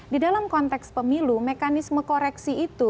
di dalam konteks pemilu mekanisme koreksi itu